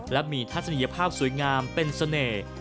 และมีทัศนียภาพสวยงามเป็นเสน่ห์